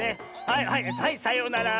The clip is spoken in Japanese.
はいはいはいさようなら。